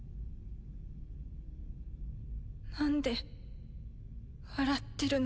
なんで笑ってるの？